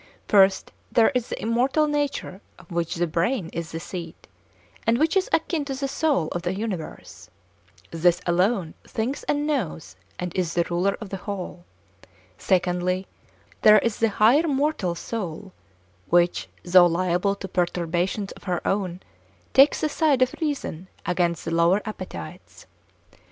First, there is the immortal nature of which the brain is the seat, and which is akin to the soul of the universe. This alone thinks and knows and is the ruler of the whole. Secondly, there is the higher mortal soul which, though liable to perturbations of her own, takes the side of reason against the lower appetites.